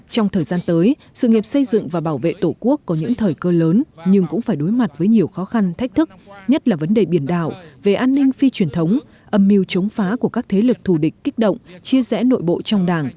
trong thời gian tới sự nghiệp xây dựng và bảo vệ tổ quốc có những thời cơ lớn nhưng cũng phải đối mặt với nhiều khó khăn thách thức nhất là vấn đề biển đảo về an ninh phi truyền thống âm mưu chống phá của các thế lực thù địch kích động chia rẽ nội bộ trong đảng